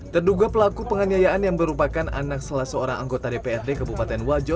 terduga pelaku penganiayaan yang merupakan anak salah seorang anggota dprd kabupaten wajo